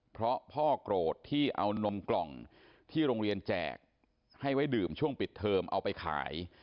เพราะพ่อโกรธที่เอานมกล่องที่โรงเรียนแจกให้ไว้ดื่มช่วงปิดเทอมเอาไปขาย